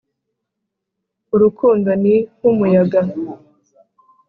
urukundo ni nkumuyaga,